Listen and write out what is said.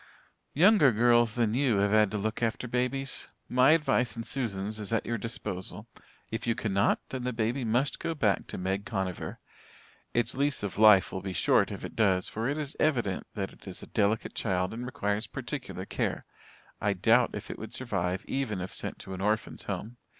"Younger girls than you have had to look after babies. My advice and Susan's is at your disposal. If you cannot, then the baby must go back to Meg Conover. Its lease of life will be short if it does for it is evident that it is a delicate child and requires particular care. I doubt if it would survive even if sent to an orphans' home.